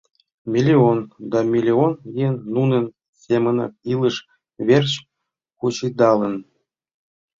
Миллион да миллион еҥ нунын семынак илыш верч кучедалын.